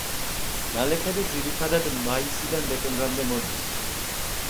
ნალექები ძირითადად მაისიდან დეკემბრამდე მოდის.